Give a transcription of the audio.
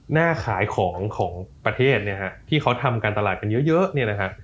หน้าขายของประเทศที่เขาทำการตลาดกันเยอะ